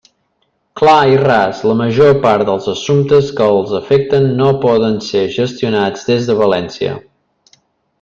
Clar i ras: la major part dels assumptes que els afecten no poden ser gestionats des de València.